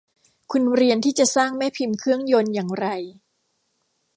คุณเรียนที่จะสร้างแม่พิมพ์เครื่องยนต์อย่างไร